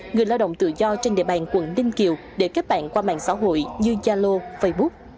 người lao động tự do trên địa bàn quận ninh kiều để kết bạn qua mạng xã hội như yalo facebook